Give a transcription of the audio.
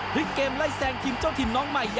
พลิกเกมไล่แซงทีมเจ้าถิ่นน้องใหม่